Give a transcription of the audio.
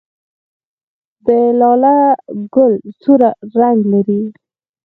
د لاله ګل سور رنګ لري